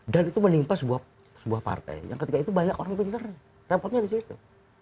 dan itu menimpa sebuah partai yang ketiga itu banyak orang bener repotnya di situ